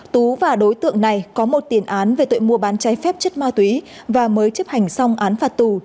tú và đối tượng này có một tiền án về tội mua bán cháy phép chất ma túy và mới chấp hành xong án phạt tù